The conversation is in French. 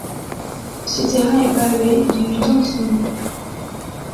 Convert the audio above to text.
Ce terrain est pavé, d'où lui vient son nom.